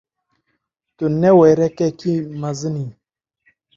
Tu newêrekekî mezin î.